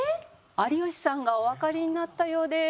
有吉さんがおわかりになったようです。